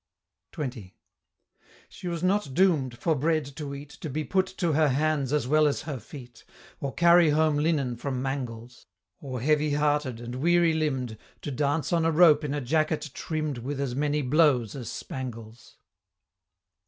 XX. She was not doom'd, for bread to eat, To be put to her hands as well as her feet To carry home linen from mangles Or heavy hearted, and weary limb'd, To dance on a rope in a jacket trimm'd With as many blows as spangles.